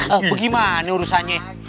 oh gimana urusannya